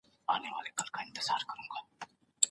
خير دی ، دى كه اوسيدونكى ستا د ښار دئ